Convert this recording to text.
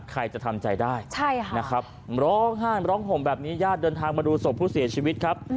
ใครจะทำใจได้นะครับร้องห้านร้องห่มแบบนี้ญาติเดินทางมาดูศพผู้เสียชีวิตครับ